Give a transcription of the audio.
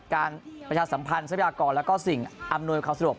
ประชาสัมพันธ์ทรัพยากรแล้วก็สิ่งอำนวยความสะดวก